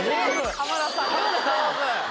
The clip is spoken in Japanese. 浜田さん